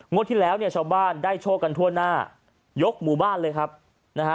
ที่แล้วเนี่ยชาวบ้านได้โชคกันทั่วหน้ายกหมู่บ้านเลยครับนะฮะ